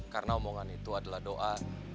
karena omongan itu adalah doa